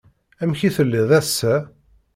Amek i telliḍ ass-a?